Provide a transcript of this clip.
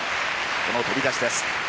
この飛び出しです。